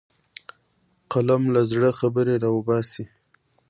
قلم له زړه خبرې راوباسي